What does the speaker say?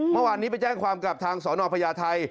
เมื่อวานนี้ไปแจ้งความกับทางสนพญาไทย